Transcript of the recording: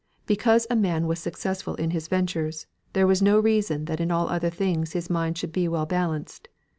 Because a man was successful in his ventures, there was no reason that in all other things his mind should be well balanced.